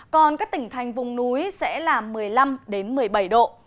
còn các tỉnh thành vùng núi sẽ là một mươi năm một mươi bảy độ